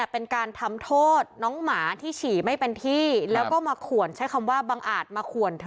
เป็นการทำโทษน้องหมาที่ฉี่ไม่เป็นที่แล้วก็มาขวนใช้คำว่าบังอาจมาขวนเธอ